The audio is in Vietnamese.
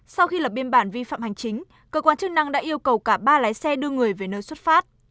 sau khi lập biên bản vi phạm hành chính cơ quan chức năng đã yêu cầu cả ba lái xe đưa người về nơi xuất phát